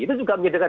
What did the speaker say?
itu juga menyedarkan